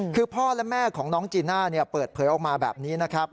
คือพ่อและแม่ของน้องจีน่าเปิดเผยออกมาแบบนี้นะครับ